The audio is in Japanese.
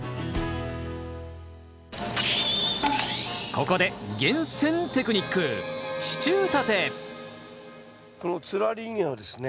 ここで厳選テクニックこのつるありインゲンはですね